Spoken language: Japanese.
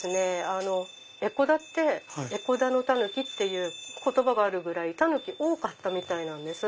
江古田って「江古田のたぬき」っていう言葉があるぐらいタヌキ多かったみたいなんです。